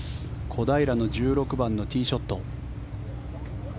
小平の１６番のティーショット。